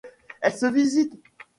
Elle se visite.